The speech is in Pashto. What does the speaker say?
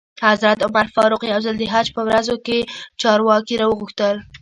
حضرت عمر فاروق یو ځل د حج په ورځو کې چارواکي را وغوښتل.